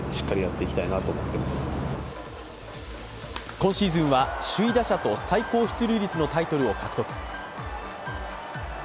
今シーズンは首位打者と最高出塁率のタイトルを獲得。